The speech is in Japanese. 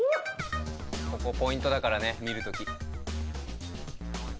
ここポイントだからね見るとき。